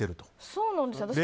そうなんですよ。